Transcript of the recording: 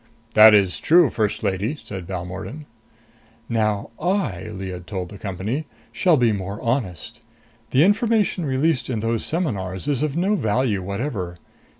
"That is true, First Lady," said Balmordan. "Now I," Lyad told the company, "shall be more honest. The information released in those seminars is of no value whatever.